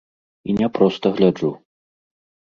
І не проста гляджу.